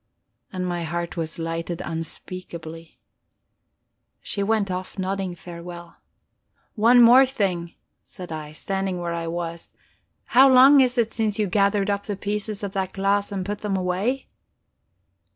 And my heart was lightened unspeakably. She went off, nodding farewell. "One thing more," said I, standing where I was. "How long is it since you gathered up the pieces of that glass and put them away?"